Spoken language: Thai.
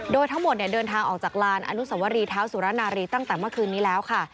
โดยทั้งหมดเดินทางออกจากลานอนุสวรีเท้าสุรนารีตั้งแต่เมื่อคืนนี้แล้วค่ะ